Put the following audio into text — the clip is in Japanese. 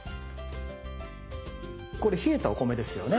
これ冷えたお米ですよね。